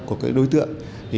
của các đối tượng